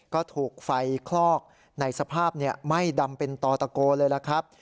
ก็ถูกไฟคลอกในสภาพไหม้ดำเป็นต่อตะโกเลยล่ะครับ